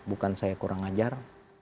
bukan saya kurang ajar